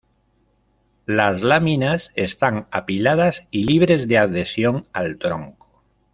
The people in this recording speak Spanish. Las láminas están apiladas y libres de adhesión al tronco.